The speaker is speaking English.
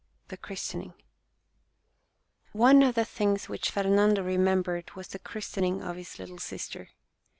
THE CHRISTENING One of the first things which Fernando remembered was the christening of his little sister.